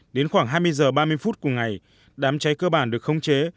đến khoảng hai mươi giờ ba mươi phút của ngày đám cháy cơ bản được không chế